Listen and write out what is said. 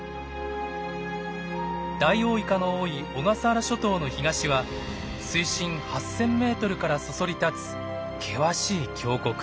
ダイオウイカの多い小笠原諸島の東は水深８，０００メートルからそそり立つ険しい峡谷。